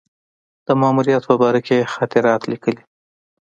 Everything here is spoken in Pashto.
د ماموریت په باره کې یې خاطرات لیکلي.